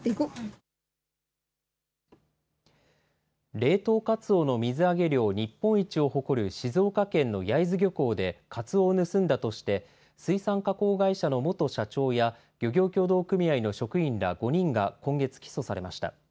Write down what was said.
冷凍カツオの水揚げ量日本一を誇る静岡県の焼津漁港でカツオを盗んだとして、水産加工会社の元社長や、漁業協同組合の職員ら５人が今月起訴されました。